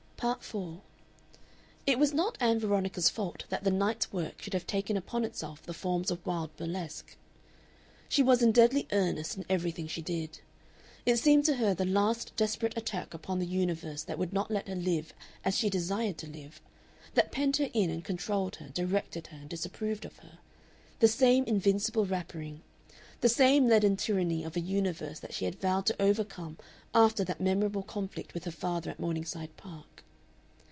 Part 4 It was not Ann Veronica's fault that the night's work should have taken upon itself the forms of wild burlesque. She was in deadly earnest in everything she did. It seemed to her the last desperate attack upon the universe that would not let her live as she desired to live, that penned her in and controlled her and directed her and disapproved of her, the same invincible wrappering, the same leaden tyranny of a universe that she had vowed to overcome after that memorable conflict with her father at Morningside Park.